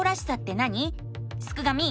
すくがミ！